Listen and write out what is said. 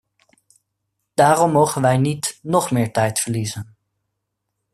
Daarom mogen wij niet nog meer tijd verliezen.